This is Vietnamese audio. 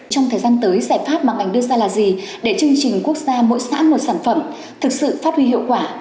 trong thời gian tới giải pháp mà ngành đưa ra là gì để chương trình quốc gia mỗi xã một sản phẩm thực sự phát huy hiệu quả